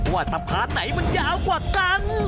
ว่าสะพานไหนมันยาวกว่ากัน